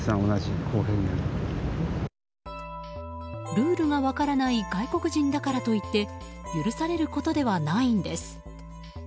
ルールが分からない外国人だからといって許されることではないんです。